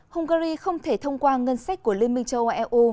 hungary không thể thông qua ngân sách của liên minh châu âu eu